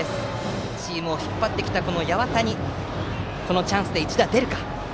チームを引っ張ってきた八幡にこのチャンスで一打出るか。